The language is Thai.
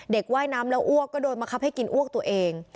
เด็กไหว้น้ำแล้วอ้วกก็โดนมาคับให้กินอ้วกตัวเอง